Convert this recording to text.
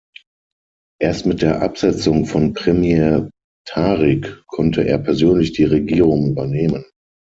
Erst mit der Absetzung von Premier Tariq konnte er persönlich die Regierung übernehmen.